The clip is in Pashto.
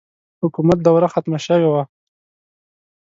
حکومت دوره ختمه شوې وه.